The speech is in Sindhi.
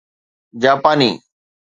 جاپاني